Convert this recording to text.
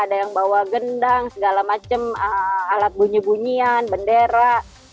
ada yang bawa gendang segala macam alat bunyi bunyian bendera